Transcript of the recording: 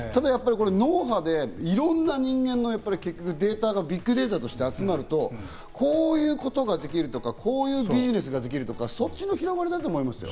脳波でいろんな人間のデータがビッグデータとして集まると、こういうことができるとか、こういうビジネスができるとかそっちの広がりだと思いますよ。